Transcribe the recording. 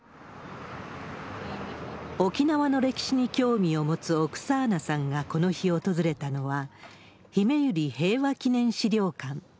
沖縄の歴史に興味を持つオクサーナさんがこの日訪れたのは、ひめゆり平和祈念資料館。